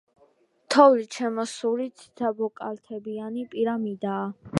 თოვლით შემოსილი ციცაბოკალთებიანი პირამიდაა.